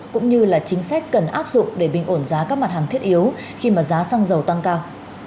cũng như là chính sách cần áp dụng để bình ổn giá các mặt hàng thiết yếu khi mà giá xăng dầu tăng cao